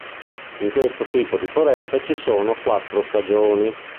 In questo tipo di foresta ci sono quattro stagioni.